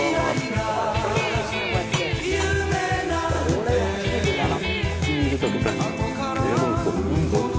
これは初めてだな。